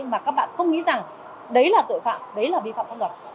mà các bạn không nghĩ rằng đấy là tội phạm đấy là bi phạm không gặp